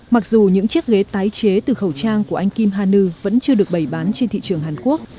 mặc dù những chiếc ghế tái chế từ khẩu trang của anh kim ha nu vẫn chưa được bày bán trên thị trường hàn quốc